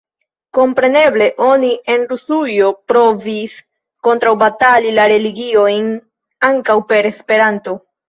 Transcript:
Kompreneble oni en Rusujo provis kontraŭbatali la religiojn ankaŭ per Esperanto.